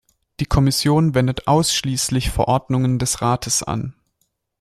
Die Kommission wendet ausschließlich Verordnungen des Rates an.